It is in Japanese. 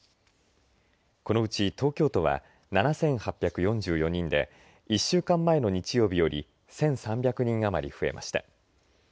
このうち東京都は７８４４人で１週間前の日曜日より１３００人余り増えました。